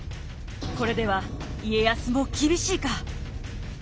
これでは家康も厳しいか？